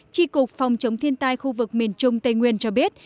tri cục phòng chống thiên tai khu vực miền trung tây nguyên cho biết